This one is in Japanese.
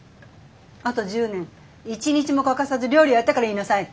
あと１０年一日も欠かさず料理をやってから言いなさい！